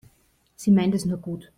Sie meint es nur gut.